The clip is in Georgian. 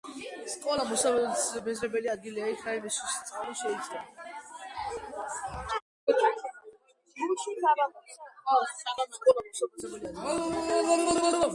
სკოლა მოსაბეზრებელი ადგილია, იქ რაიმეს შსწავლა შეიძლება